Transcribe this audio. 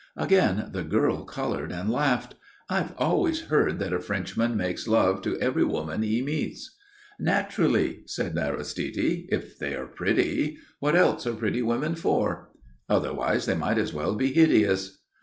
Again the girl coloured and laughed. "I've always heard that a Frenchman makes love to every woman he meets." "Naturally," said Aristide. "If they are pretty. What else are pretty women for? Otherwise they might as well be hideous."